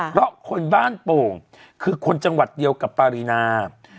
เพราะคนบ้านโป่งคือคนจังหวัดเดียวกับปารีนา